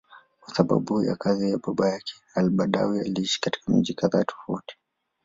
Kwa sababu ya kazi ya baba yake, al-Badawi aliishi katika miji kadhaa tofauti.